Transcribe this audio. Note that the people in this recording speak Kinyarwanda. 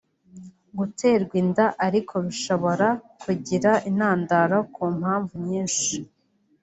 Guterwa inda ariko bishobora kugira intandaro ku mpamvu nyinshi